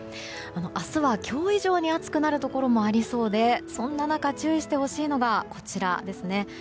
明日は今日以上に暑くなるところもありそうでそんな中、注意してほしいのがこちらですね。